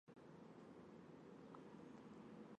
توبه کاکړۍ سوه لویه غرنۍ سیمه ده